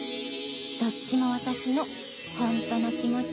「どっちも私のホントの気持ち」